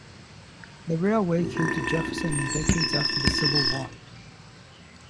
The railway came to Jefferson in the decades after the Civil War.